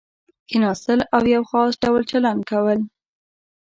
کېناستل او یو خاص ډول چلند کول.